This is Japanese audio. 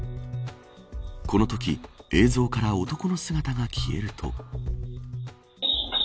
このとき映像から男の姿が消えると。